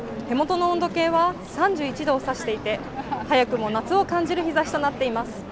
手元の温度計は３１度を差していて、早くも夏を感じる日ざしとなっています。